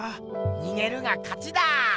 にげるがかちだ。